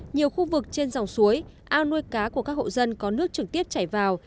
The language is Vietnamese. nhiều khu vực trên dòng suối ao nuôi cá của các hộ dân có nước trực tiếp chảy vào